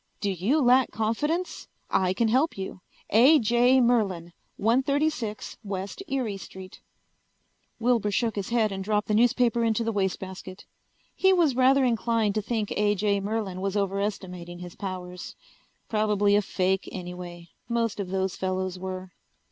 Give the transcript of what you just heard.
Do you lack confidence? I can help you. A. J. Merlin, 136 W. Erie St. Wilbur shook his head and dropped the newspaper into the wastebasket. He was rather inclined to think A. J. Merlin was overestimating his powers. Probably a fake, anyway. Most of those fellows were.